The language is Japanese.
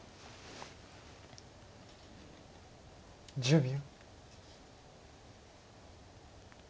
１０秒。